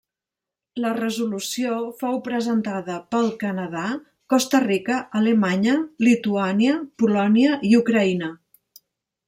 La resolució fou presentada pel Canadà, Costa Rica, Alemanya, Lituània, Polònia i Ucraïna.